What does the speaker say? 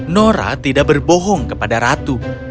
nora tidak berbohong kepada ratu